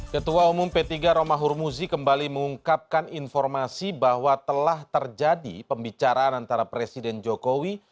ketua umum p tiga romahur muzi kembali mengungkapkan informasi bahwa telah terjadi pembicaraan antara presiden jokowi